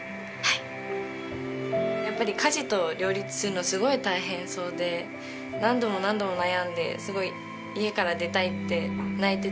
やっぱり家事と両立するのすごい大変そうで何度も何度も悩んですごい家から出たいって泣いていた事もあって。